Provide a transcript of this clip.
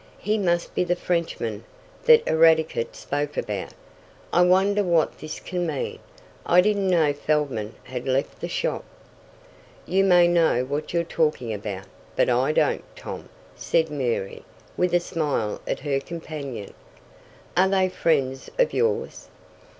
"He must be the Frenchman that Eradicate spoke about. I wonder what this can mean? I didn't know Feldman had left the shop." "You may know what you're talking about, but I don't, Tom," said Mary, with a smile at her companion. "Are they friends of yours?"